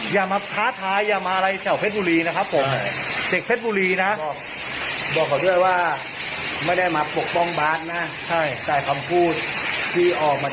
อย่ามาท้าทายอย่ามาอะไรแถวเพชรบุรีนะครับผม